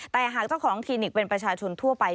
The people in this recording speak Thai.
แต่หากเจ้าของคลินิกเป็นประชาชนทั่วไป